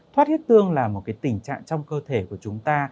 thoát huyết tương là một tình trạng trong cơ thể của chúng ta